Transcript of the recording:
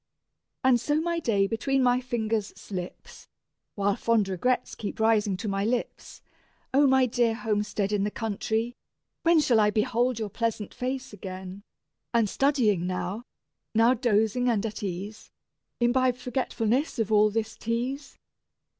And so my day between my fingers slips, While fond regrets keep rising to my lips: O my dear homestead in the country! when Shall I behold your pleasant face again; And, studying now, now dozing and at ease, Imbibe forgetfulness of all this tease?